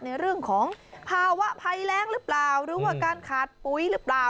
ในเรื่องของภาวะภัยแรงหรือเปล่าหรือว่าการขาดปุ๋ยหรือเปล่า